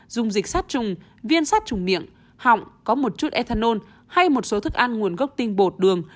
dùng dịch sát trùng viên sát trùng miệng họng có một chút ethanol hay một số thức ăn nguồn gốc tinh bột đường